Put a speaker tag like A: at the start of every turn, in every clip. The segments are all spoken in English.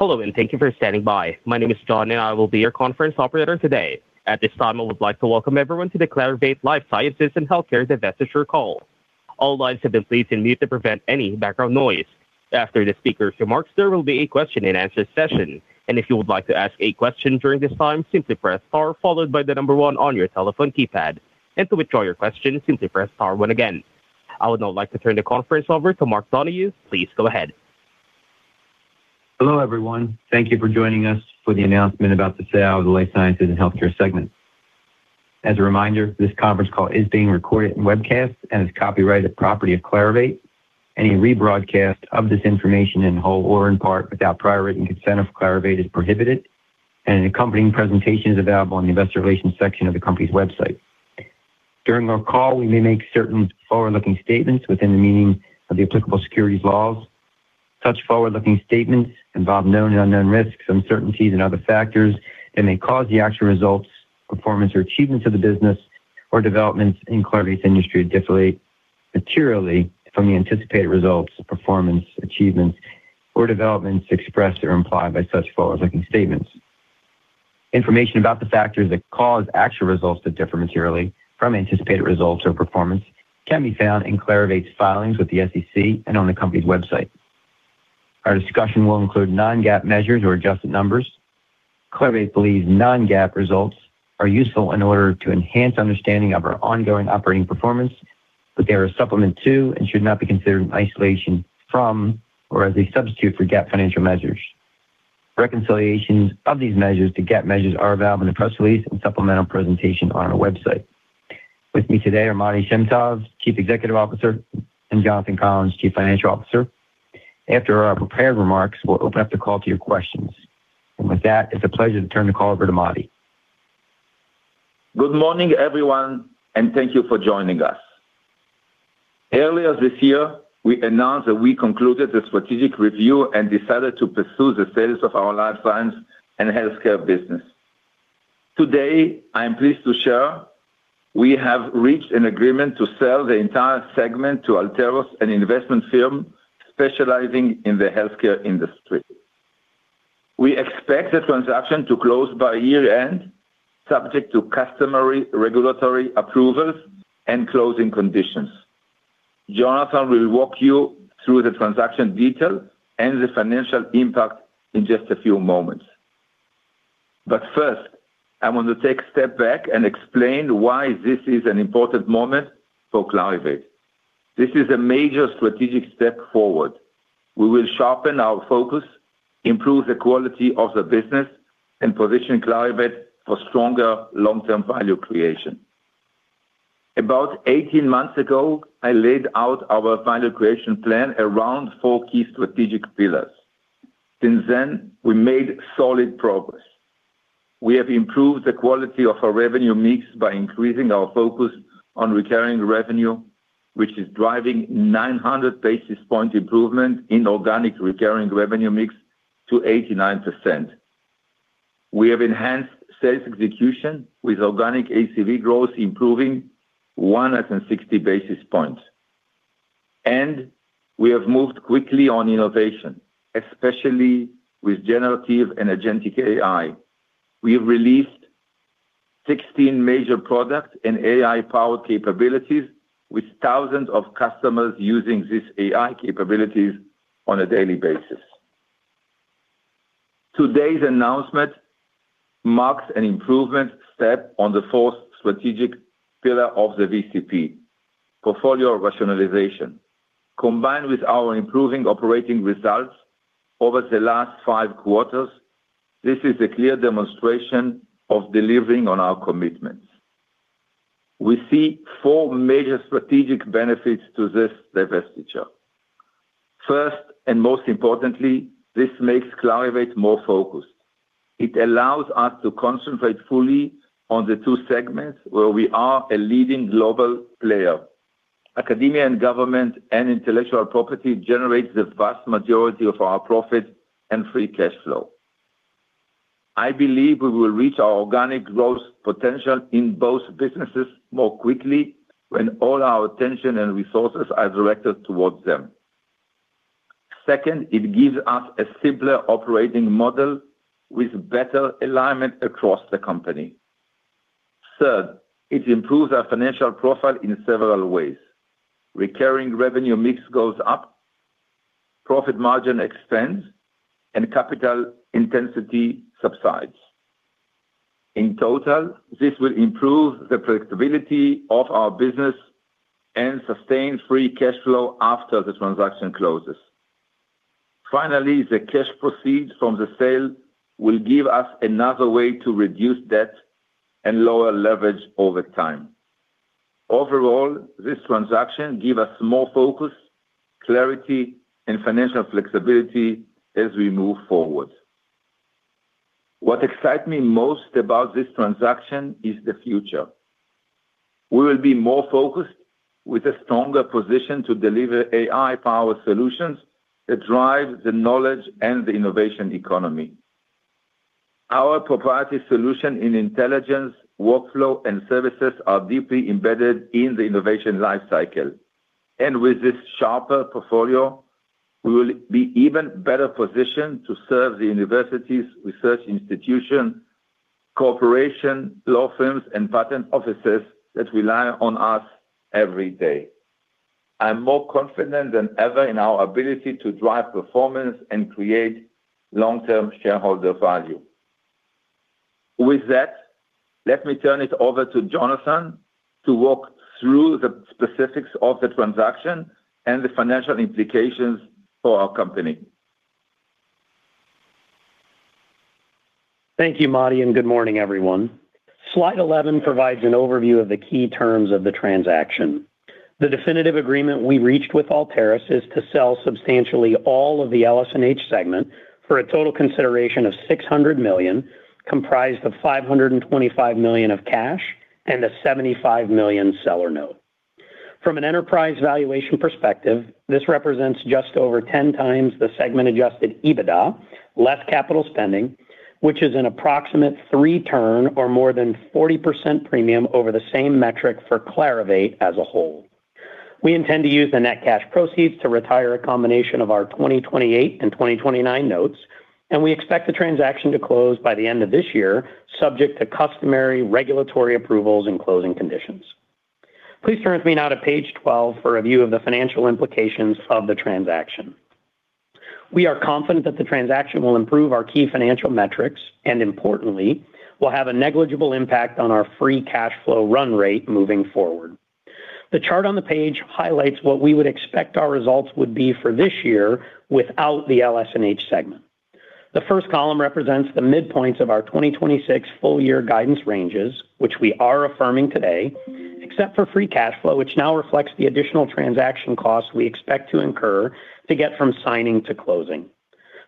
A: Hello, and thank you for standing by. My name is John, I will be your conference operator today. At this time, I would like to welcome everyone to the Clarivate Life Sciences & Healthcare divestiture call. All lines have been placed in mute to prevent any background noise. After the speakers' remarks, there will be a question-and-answer session. If you would like to ask a question during this time, simply press star, followed by the number one on your telephone keypad. To withdraw your question, simply press star one again. I would now like to turn the conference over to Mark Donohue. Please go ahead.
B: Hello, everyone. Thank you for joining us for the announcement about the sale of the Life Sciences & Healthcare segment. As a reminder, this conference call is being recorded and webcast and is copyrighted property of Clarivate. Any rebroadcast of this information in whole or in part without prior written consent of Clarivate is prohibited, and an accompanying presentation is available in the investor relations section of the company's website. During our call, we may make certain forward-looking statements within the meaning of the applicable securities laws. Such forward-looking statements involve known and unknown risks, uncertainties, and other factors, and may cause the actual results, performance, or achievements of the business or developments in Clarivate's industry to differ materially from the anticipated results, performance, achievements, or developments expressed or implied by such forward-looking statements. Information about the factors that cause actual results to differ materially from anticipated results or performance can be found in Clarivate's filings with the SEC and on the company's website. Our discussion will include non-GAAP measures or adjusted numbers. Clarivate believes non-GAAP results are useful in order to enhance understanding of our ongoing operating performance, but they are a supplement to and should not be considered in isolation from or as a substitute for GAAP financial measures. Reconciliations of these measures to GAAP measures are available in the press release and supplemental presentation on our website. With me today are Matti Shem Tov, Chief Executive Officer, and Jonathan Collins, Chief Financial Officer. After our prepared remarks, we will open up the call to your questions. With that, it is a pleasure to turn the call over to Matti.
C: Good morning, everyone, and thank you for joining us. Earlier this year, we announced that we concluded the strategic review and decided to pursue the sales of our Life Sciences & Healthcare business. Today, I am pleased to share we have reached an agreement to sell the entire segment to Altaris, an investment firm specializing in the healthcare industry. We expect the transaction to close by year-end, subject to customary regulatory approvals and closing conditions. Jonathan will walk you through the transaction detail and the financial impact in just a few moments. First, I want to take a step back and explain why this is an important moment for Clarivate. This is a major strategic step forward. We will sharpen our focus, improve the quality of the business, and position Clarivate for stronger long-term value creation. About 18 months ago, I laid out our value creation plan around four key strategic pillars. Since then, we made solid progress. We have improved the quality of our revenue mix by increasing our focus on recurring revenue, which is driving 900 basis point improvement in organic recurring revenue mix to 89%. We have enhanced sales execution with organic ACV growth improving 160 basis points. We have moved quickly on innovation, especially with generative and agentic AI. We have released 16 major products and AI-powered capabilities, with thousands of customers using these AI capabilities on a daily basis. Today's announcement marks an improvement step on the fourth strategic pillar of the VCP, portfolio rationalization. Combined with our improving operating results over the last five quarters, this is a clear demonstration of delivering on our commitments. We see four major strategic benefits to this divestiture. First, most importantly, this makes Clarivate more focused. It allows us to concentrate fully on the two segments where we are a leading global player. Academia & Government and Intellectual Property generate the vast majority of our profit and free cash flow. I believe we will reach our organic growth potential in both businesses more quickly when all our attention and resources are directed towards them. Second, it gives us a simpler operating model with better alignment across the company. Third, it improves our financial profile in several ways. Recurring revenue mix goes up, profit margin expands, and capital intensity subsides. In total, this will improve the predictability of our business and sustain free cash flow after the transaction closes. Finally, the cash proceeds from the sale will give us another way to reduce debt and lower leverage over time. Overall, this transaction give us more focus, clarity, and financial flexibility as we move forward. What excite me most about this transaction is the future. We will be more focused with a stronger position to deliver AI-powered solutions that drive the knowledge and the innovation economy. Our proprietary solution in intelligence, workflow, and services are deeply embedded in the innovation life cycle. With this sharper portfolio, we will be even better positioned to serve the universities, research institution, corporation, law firms, and patent offices that rely on us every day. I'm more confident than ever in our ability to drive performance and create long-term shareholder value. With that, let me turn it over to Jonathan to walk through the specifics of the transaction and the financial implications for our company.
D: Thank you, Matti, good morning, everyone. Slide 11 provides an overview of the key terms of the transaction. The definitive agreement we reached with Altaris is to sell substantially all of the LS&H segment for a total consideration of $600 million, comprised of $525 million of cash and a $75 million seller note. From an enterprise valuation perspective, this represents just over 10x the segment-adjusted EBITDA, less capital spending, which is an approximate three turn or more than 40% premium over the same metric for Clarivate as a whole. We intend to use the net cash proceeds to retire a combination of our 2028 and 2029 notes, we expect the transaction to close by the end of this year, subject to customary regulatory approvals and closing conditions. Please turn with me now to page 12 for a view of the financial implications of the transaction. We are confident that the transaction will improve our key financial metrics, and importantly, will have a negligible impact on our free cash flow run rate moving forward. The chart on the page highlights what we would expect our results would be for this year without the LS&H segment. The first column represents the midpoints of our 2026 full year guidance ranges, which we are affirming today, except for free cash flow, which now reflects the additional transaction cost we expect to incur to get from signing to closing.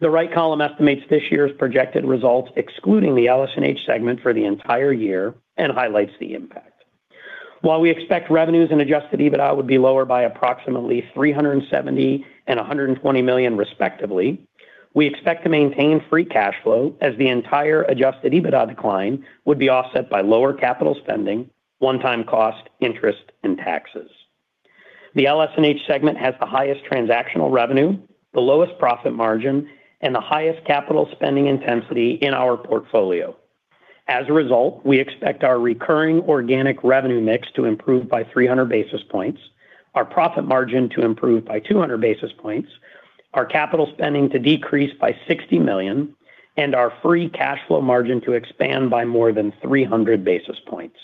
D: The right column estimates this year's projected results, excluding the LS&H segment for the entire year, and highlights the impact. While we expect revenues and adjusted EBITDA would be lower by approximately $370 million and $120 million respectively, we expect to maintain free cash flow as the entire adjusted EBITDA decline would be offset by lower capital spending, one-time cost, interest, and taxes. The LS&H segment has the highest transactional revenue, the lowest profit margin, and the highest capital spending intensity in our portfolio. As a result, we expect our recurring organic revenue mix to improve by 300 basis points, our profit margin to improve by 200 basis points, our capital spending to decrease by $60 million, and our free cash flow margin to expand by more than 300 basis points.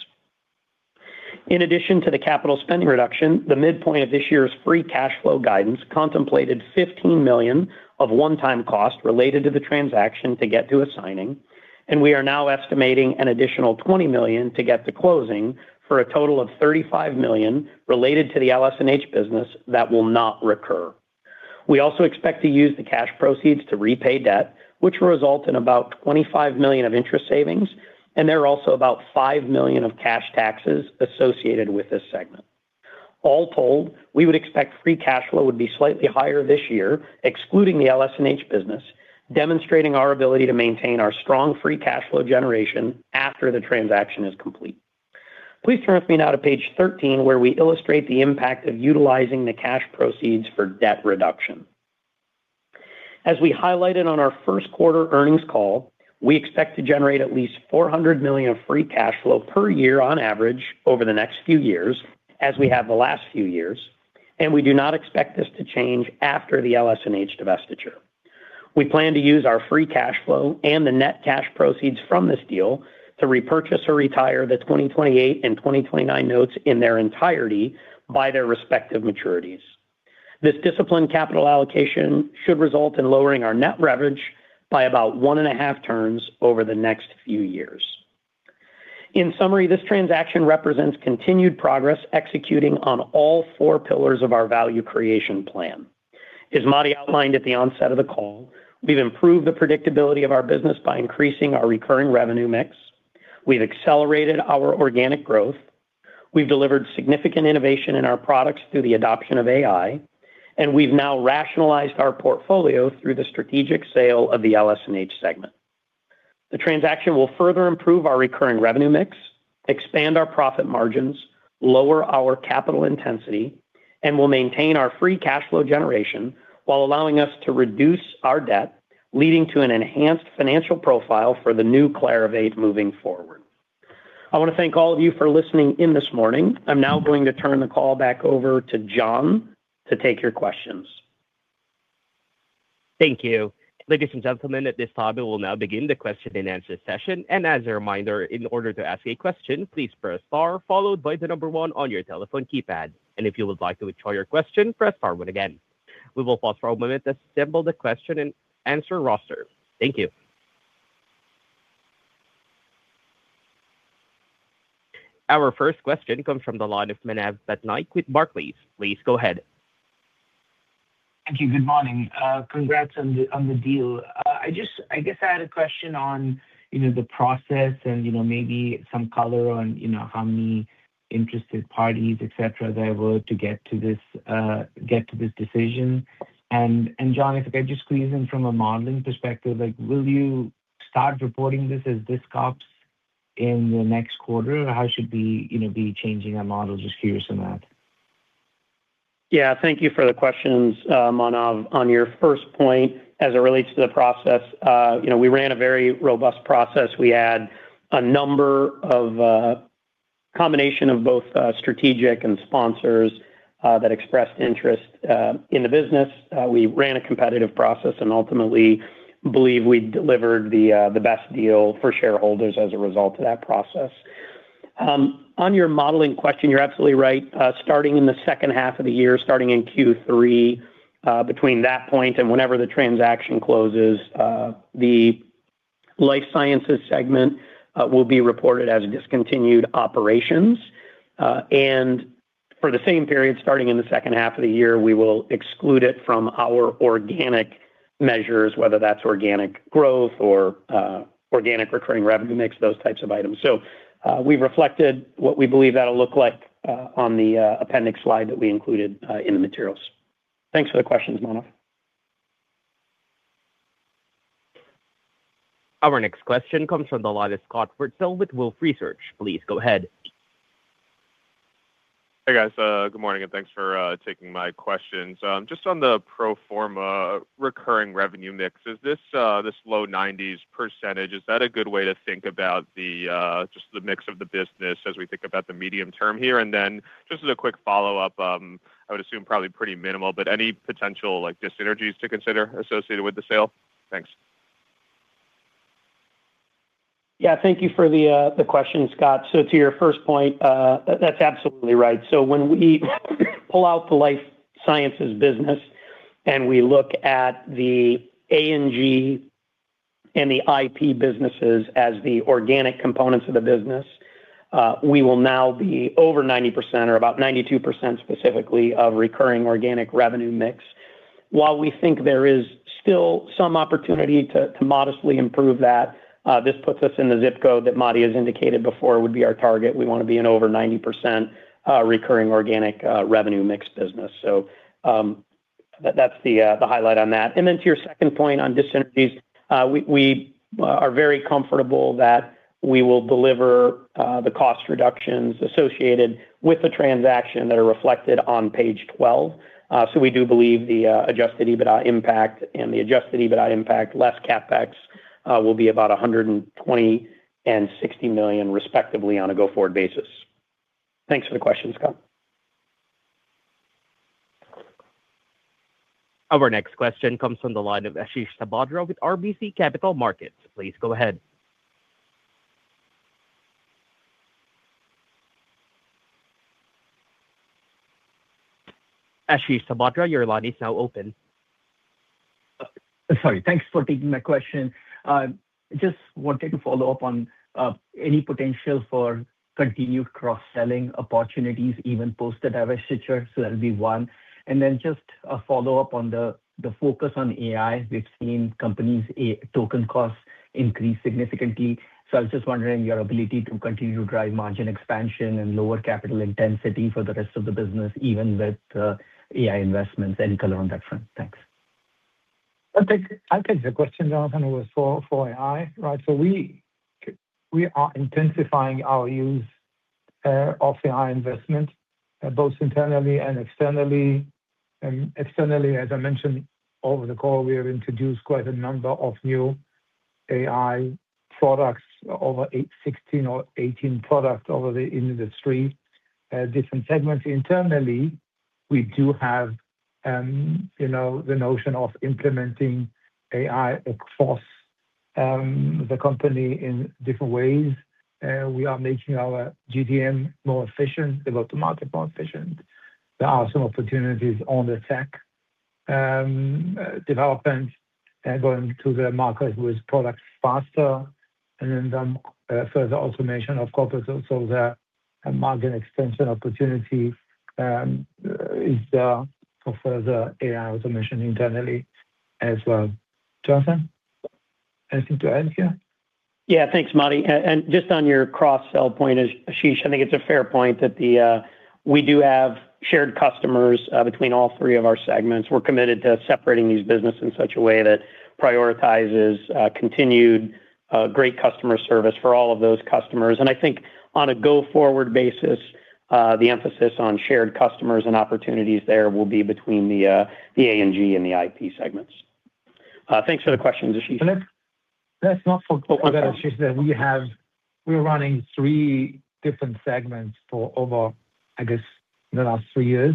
D: In addition to the capital spending reduction, the midpoint of this year's free cash flow guidance contemplated $15 million of one-time cost related to the transaction to get to a signing. We are now estimating an additional $20 million to get to closing, for a total of $35 million related to the LS&H business that will not recur. We also expect to use the cash proceeds to repay debt, which will result in about $25 million of interest savings. There are also about $5 million of cash taxes associated with this segment. All told, we would expect free cash flow would be slightly higher this year, excluding the LS&H business, demonstrating our ability to maintain our strong free cash flow generation after the transaction is complete. Please turn with me now to page 13, where we illustrate the impact of utilizing the cash proceeds for debt reduction. As we highlighted on our first quarter earnings call, we expect to generate at least $400 million of free cash flow per year on average over the next few years, as we have the last few years. We do not expect this to change after the LS&H divestiture. We plan to use our free cash flow and the net cash proceeds from this deal to repurchase or retire the 2028 and 2029 notes in their entirety by their respective maturities. This disciplined capital allocation should result in lowering our net leverage by about 1.5x over the next few years. In summary, this transaction represents continued progress executing on all four pillars of our value creation plan. As Matti outlined at the onset of the call, we've improved the predictability of our business by increasing our recurring revenue mix, we've accelerated our organic growth, we've delivered significant innovation in our products through the adoption of AI, and we've now rationalized our portfolio through the strategic sale of the LS&H segment. The transaction will further improve our recurring revenue mix, expand our profit margins, lower our capital intensity, and will maintain our free cash flow generation while allowing us to reduce our debt, leading to an enhanced financial profile for the new Clarivate moving forward. I want to thank all of you for listening in this morning. I'm now going to turn the call back over to John to take your questions.
A: Thank you. Ladies and gentlemen, at this time, we will now begin the question-and-answer session. As a reminder, in order to ask a question, please press star followed by the number one on your telephone keypad. If you would like to withdraw your question, press star one again. We will pause for a moment as we assemble the question and answer roster. Thank you. Our first question comes from the line of Manav Patnaik with Barclays. Please go ahead.
E: Thank you. Good morning. Congrats on the deal. I guess I had a question on the process and maybe some color on how many interested parties, etc, there were to get to this decision. Jon, if I could just squeeze in from a modeling perspective, will you start reporting this as discontinued operations? In the next quarter, how should we be changing our model? Just curious on that.
D: Yeah, thank you for the questions, Manav. On your first point as it relates to the process, we ran a very robust process. We had a number of combination of both strategic and sponsors that expressed interest in the business. We ran a competitive process and ultimately believe we delivered the best deal for shareholders as a result of that process. On your modeling question, you're absolutely right. Starting in the second half of the year, starting in Q3, between that point and whenever the transaction closes, the life sciences segment will be reported as discontinued operations. For the same period, starting in the second half of the year, we will exclude it from our organic measures, whether that's organic growth or organic recurring revenue mix, those types of items. We've reflected what we believe that'll look like on the appendix slide that we included in the materials. Thanks for the questions, Manav.
A: Our next question comes from the line of Scott Wurtzel with Wolfe Research. Please go ahead.
F: Hey, guys. Good morning, and thanks for taking my questions. Just on the pro forma recurring revenue mix, is this low 90s%, is that a good way to think about just the mix of the business as we think about the medium term here? Then just as a quick follow-up, I would assume probably pretty minimal, but any potential like dis-synergies to consider associated with the sale? Thanks.
D: Thank you for the question, Scott. To your first point, that's absolutely right. When we pull out the life sciences business and we look at the A&G and the IP businesses as the organic components of the business, we will now be over 90%, or about 92% specifically, of recurring organic revenue mix. While we think there is still some opportunity to modestly improve that, this puts us in the ZIP code that Matti has indicated before would be our target. We want to be an over 90% recurring organic revenue mix business. That's the highlight on that. To your second point on dis-synergies, we are very comfortable that we will deliver the cost reductions associated with the transaction that are reflected on page 12. We do believe the adjusted EBITDA impact and the adjusted EBITDA impact less CapEx will be about $120 million and $60 million respectively on a go-forward basis. Thanks for the question, Scott.
A: Our next question comes from the line of Ashish Sabadra with RBC Capital Markets. Please go ahead. Ashish Sabadra, your line is now open.
G: Sorry. Thanks for taking my question. Just wanted to follow up on any potential for continued cross-selling opportunities, even post the divestiture. That'll be one. Just a follow-up on the focus on AI. We've seen companies' token costs increase significantly. I was just wondering your ability to continue to drive margin expansion and lower capital intensity for the rest of the business, even with AI investments. Any color on that front? Thanks.
C: I'll take the question, Jonathan, with for AI, right? We are intensifying our use of AI investment both internally and externally. Externally, as I mentioned over the call, we have introduced quite a number of new AI products, over 16 or 18 products into the three different segments. Internally, we do have the notion of implementing AI across the company in different ways. We are making our GTM more efficient, the go-to-market more efficient. There are some opportunities on the tech development going to the market with products faster, some further automation of corporate. The margin expansion opportunity is there for further AI automation internally as well. Jonathan, anything to add here?
D: Yeah, thanks, Matti. Just on your cross-sell point, Ashish, I think it's a fair point that we do have shared customers between all three of our segments. We're committed to separating these businesses in such a way that prioritizes continued great customer service for all of those customers. I think on a go-forward basis, the emphasis on shared customers and opportunities there will be between the A&G and the IP segments. Thanks for the question, Ashish.
C: Just to add, Ashish, that we're running three different segments for over, I guess, the last three years.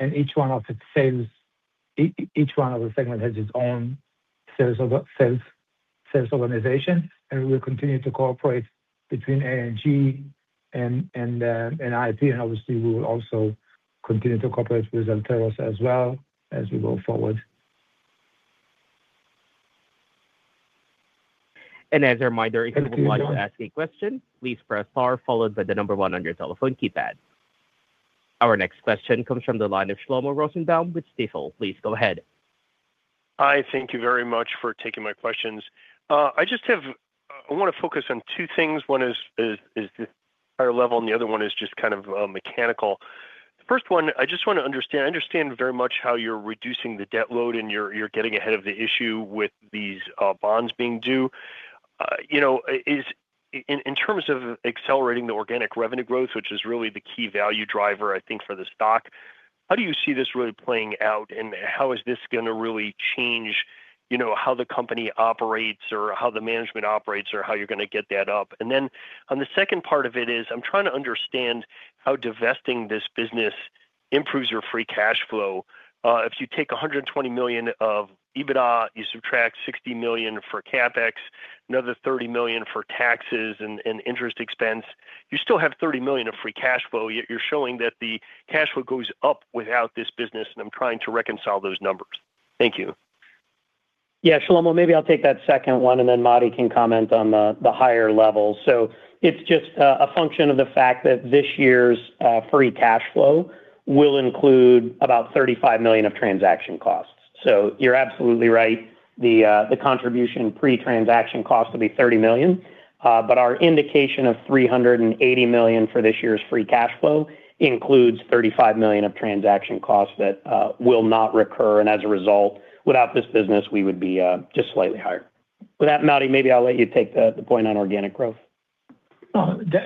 C: Each one of the segment has its own sales organization, we will continue to cooperate between A&G and IP. Obviously, we will also continue to cooperate with Altaris as well as we go forward-
A: As a reminder-
C: [inaudible]
A: ...if you would like to ask a question, please press star followed by the number one on your telephone keypad. Our next question comes from the line of Shlomo Rosenbaum with Stifel. Please go ahead.
H: Hi, thank you very much for taking my questions. I want to focus on two things. One is the higher level, and the other one is just kind of mechanical. The first one, I just want to understand very much how you're reducing the debt load and you're getting ahead of the issue with these bonds being due. In terms of accelerating the organic revenue growth, which is really the key value driver, I think, for the stock, how do you see this really playing out and how is this going to really change how the company operates or how the management operates or how you're going to get that up? Then on the second part of it is I'm trying to understand how divesting this business improves your free cash flow. If you take $120 million of EBITDA, you subtract $60 million for CapEx, another $30 million for taxes and interest expense, you still have $30 million of free cash flow, yet you're showing that the cash flow goes up without this business and I'm trying to reconcile those numbers. Thank you.
D: Yeah, Shlomo, maybe I'll take that second one and then Matti can comment on the higher level. It's just a function of the fact that this year's free cash flow will include about $35 million of transaction costs. You're absolutely right, the contribution pre-transaction cost will be $30 million. Our indication of $380 million for this year's free cash flow includes $35 million of transaction costs that will not recur and as a result, without this business, we would be just slightly higher. With that, Matti, maybe I'll let you take the point on organic growth.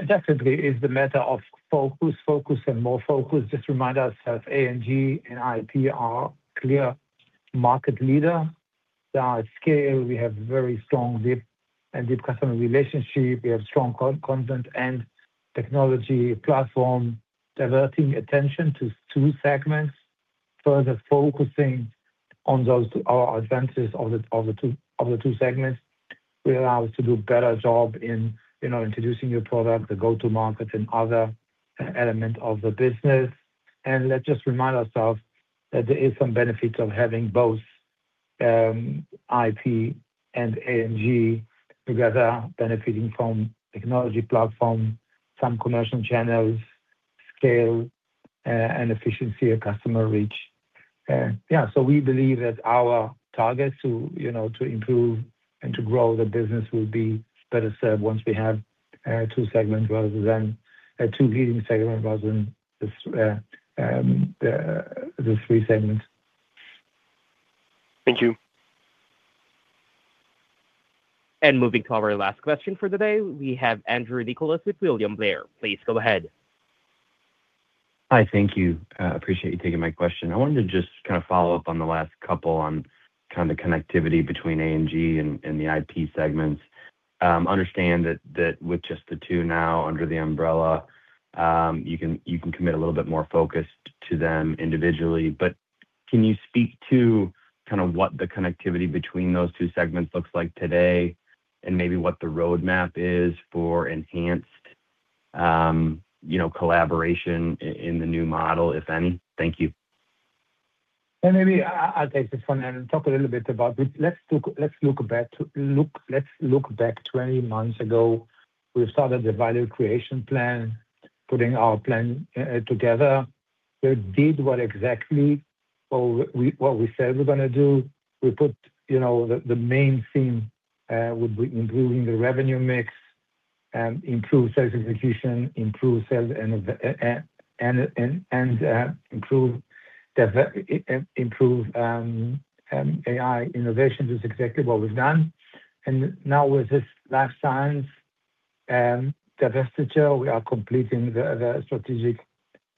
C: Definitely it's the matter of focus, and more focus. Just remind ourselves A&G and IP are clear market leader. They are at scale. We have very strong deep customer relationship. We have strong content and technology platform diverting attention to two segments, further focusing on those two are advantages of the two segments will allow us to do a better job in introducing new product, the Go-To-Market and other element of the business. Let's just remind ourselves that there is some benefit of having both IP and A&G together benefiting from technology platform, some commercial channels, scale, and efficiency of customer reach. Yeah, we believe that our targets to improve and to grow the business will be better served once we have two segments rather than two leading segments rather than the three segments.
H: Thank you.
A: Moving to our last question for the day, we have Andrew Nicholas with William Blair. Please go ahead.
I: Hi. Thank you. Appreciate you taking my question. I wanted to just follow up on the last couple on the connectivity between A&G and the IP segments. Understand that with just the two now under the umbrella, you can commit a little bit more focus to them individually, but can you speak to what the connectivity between those two segments looks like today and maybe what the roadmap is for enhanced collaboration in the new model, if any? Thank you.
C: Maybe I'll take this one and talk a little bit about this. Let's look back 20 months ago. We started the value creation plan, putting our plan together. We did exactly what we said we're going to do. We put the main theme would be improving the revenue mix, improve sales execution, improve sales and improve AI innovation. That's exactly what we've done. Now with this Life Sciences divestiture, we are completing the strategic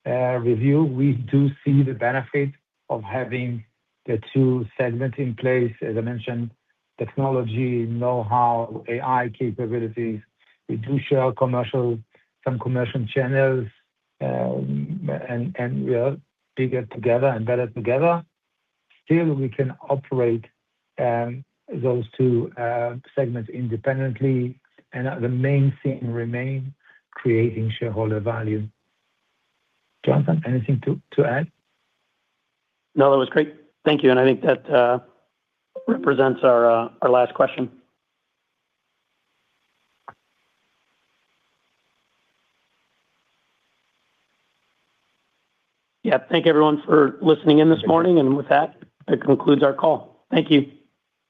C: review. We do see the benefit of having the two segments in place. As I mentioned, technology knowhow, AI capabilities. We do share some commercial channels, and we are bigger together and better together. Still, we can operate those two segments independently and the main thing remain creating shareholder value. Jonathan, anything to add?
D: No, that was great. Thank you and I think that represents our last question. Thank you everyone for listening in this morning. With that concludes our call. Thank you.